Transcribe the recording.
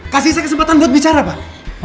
kasih saya kesempatan buat bicara pak